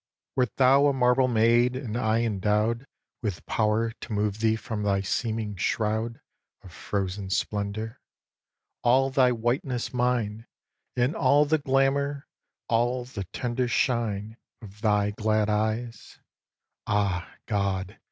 ii. Wert thou a marble maid and I endow'd With power to move thee from thy seeming shroud Of frozen splendour, all thy whiteness mine And all the glamour, all the tender shine Of thy glad eyes, ah God!